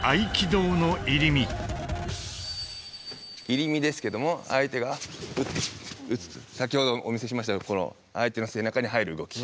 入身ですけども相手が先ほどお見せしましたようにこの相手の背中に入る動き。